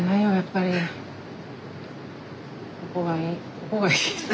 ここがいいって。